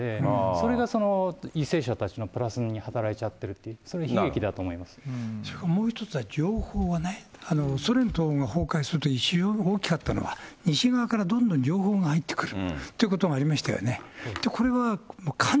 それが為政者たちのプラスに働いちゃってるんで、そういう悲劇だしかももう一つは情報がね、ソ連が崩壊するときに非常に大きかったのは、西側からどんどん情報が入ってくるということがありましたよね。